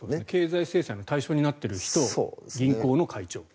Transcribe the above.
経済制裁の対象になっている人と銀行の会長。